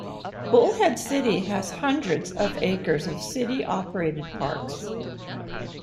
Bullhead City has hundreds of acres of city-operated parks.